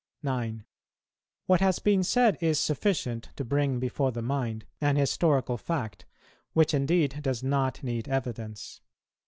9. What has been said is sufficient to bring before the mind an historical fact, which indeed does not need evidence.